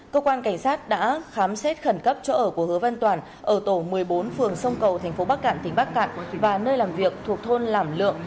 cơ quan cảnh sát đã khám xét khẩn cấp chỗ ở của hứa văn toàn ở tổ một mươi bốn phường sông cầu tp bắc cạn tỉnh bắc cạn và nơi làm việc thuộc thôn lảm lượng